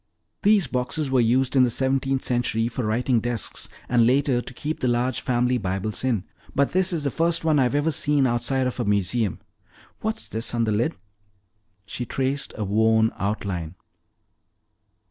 "These boxes were used in the seventeenth century for writing desks and later to keep the large family Bibles in. But this is the first one I've ever seen outside of a museum. What's this on the lid?" She traced a worn outline.